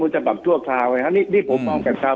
จัดไปว่าตามปลุกสาร